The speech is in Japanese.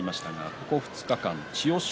ここ２日間、千代翔